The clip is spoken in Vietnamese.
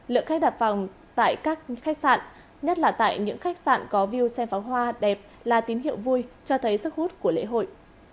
lượng khách đặt phòng tại các khách sạn nhất là tại những khách sạn có view xem pháo hoa đẹp là tín hiệu vui cho thấy sức hút của lễ hội